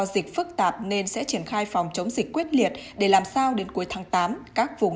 dịch phức tạp nên sẽ triển khai phòng chống dịch quyết liệt để làm sao đến cuối tháng tám các vùng